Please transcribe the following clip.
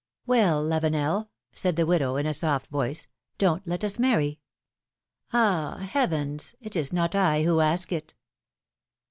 ^^Well, Lavenel!" said the widow, in a soft voice, ^Mon't let us marry! Ah! heavens! It is not I who ask it